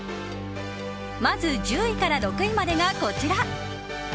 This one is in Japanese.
まず、１０位から６位までがこちら。